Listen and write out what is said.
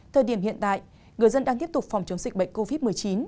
thời điểm hiện tại người dân đang tiếp tục phòng chống dịch bệnh covid một mươi chín